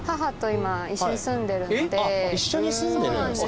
一緒に住んでるんですか？